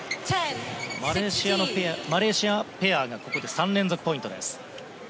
マレーシアペアがここで３連続ポイントです。